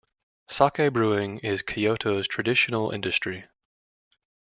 Sake brewing is Kyoto's traditional industry.